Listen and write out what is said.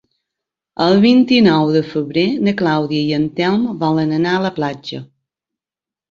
El vint-i-nou de febrer na Clàudia i en Telm volen anar a la platja.